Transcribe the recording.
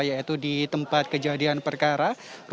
yaitu di tempat kejadian perkara